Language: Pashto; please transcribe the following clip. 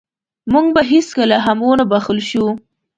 موږ به هېڅکله هم ونه بښل شو.